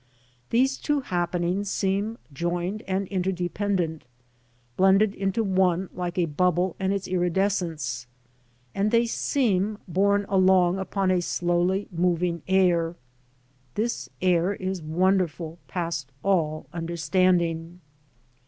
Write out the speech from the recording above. These two happenings seem joined and interdependent, blended into one like a bubble and its iridescence, and they seem borne along upon a slowly moving air. This air is wonderful past all understanding.